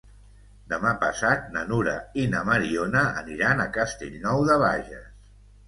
Demà passat na Nura i na Mariona aniran a Castellnou de Bages.